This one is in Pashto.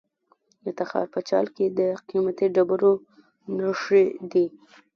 د تخار په چال کې د قیمتي ډبرو نښې دي.